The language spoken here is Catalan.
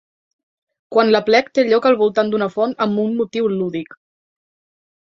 Quan l'aplec té lloc al voltant d'una font amb un motiu lúdic.